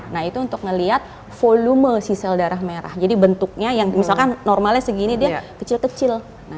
nah itu untuk melihat volume si sel darah merah jadi bentuknya yang misalkan normalnya segini dia kecil kecil